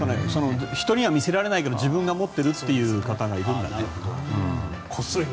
人には見せられないけど自分が持っているという方がいるんだろうと。